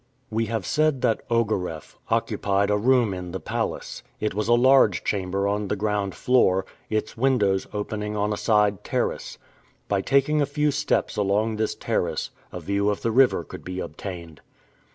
We have said that Ogareff occupied a room in the palace. It was a large chamber on the ground floor, its windows opening on a side terrace. By taking a few steps along this terrace, a view of the river could be obtained.